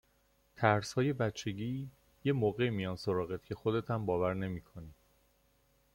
ترسهای بچگی یه موقعی میان سراغت که خودتم باور نمیکنی